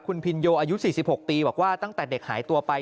คุณพินโยอายุ๔๖ปีบอกว่าตั้งแต่เด็กหายตัวไป